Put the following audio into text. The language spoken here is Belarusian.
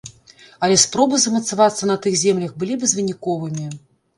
Але спробы замацавацца на тых землях былі безвыніковымі.